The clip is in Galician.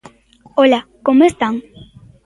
Ola, como están.